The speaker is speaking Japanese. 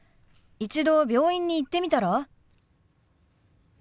一度病院に行ってみたら？